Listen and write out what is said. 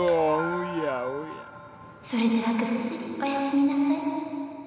それではぐっすりおやすみなさい。